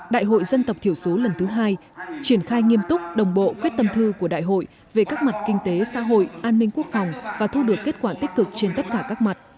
đại hội dân tộc thiểu số lần thứ hai triển khai nghiêm túc đồng bộ quyết tâm thư của đại hội về các mặt kinh tế xã hội an ninh quốc phòng và thu được kết quả tích cực trên tất cả các mặt